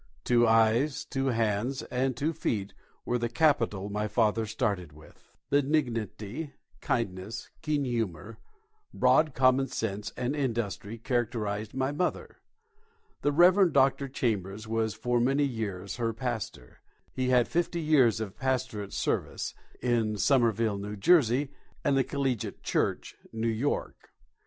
Two eyes, two hands, and two feet were the capital my father started with. Benignity, kindness, keen humour, broad common sense and industry characterised my mother. The Reverend Dr. Chambers was for many years her pastor. He had fifty years of pastorate service, in Somerville, N.J., and the Collegiate Church, New York.